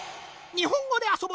「にほんごであそぼ」